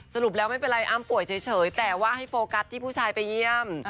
สรุปแล้วไม่เป็นไรอ้ำป่วยเฉยแต่ว่าให้โฟกัสที่ผู้ชายไปเยี่ยม